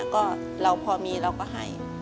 ก็เราพอมีเราก็ให้